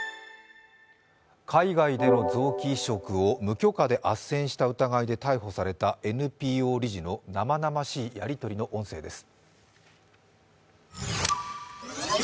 海外での臓器移植を無許可であっせんした疑いで逮捕されたＮＰＯ理事の生々しいやり取りの音声です。